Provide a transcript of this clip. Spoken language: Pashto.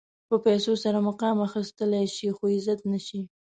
په پیسو سره مقام اخيستلی شې خو عزت نه شې.